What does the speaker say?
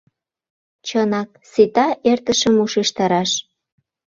— Чынак, сита эртышым ушештараш!